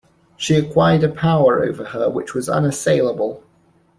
She acquired a power over her which was unassailable.